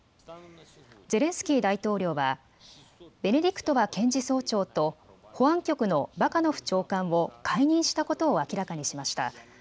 ゼレンスキー大統領はベネディクトワ検事総長と保安局のバカノフ長官を解任したことを明らかにしました。